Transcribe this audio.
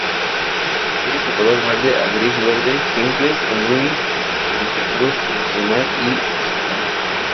Tallos de color verde a gris-verde, simples o muy ramificados proximal y distal.